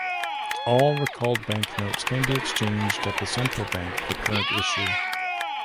All recalled banknotes can be exchanged at the central bank for current issue.